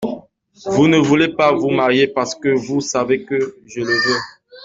Vous ne voulez pas vous marier, parce que vous savez que je le veux.